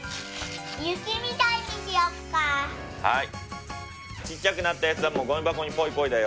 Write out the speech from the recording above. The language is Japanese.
はい！